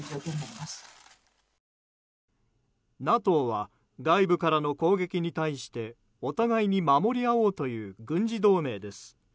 ＮＡＴＯは外部からの攻撃に対してお互いに守り合おうという軍事同盟です。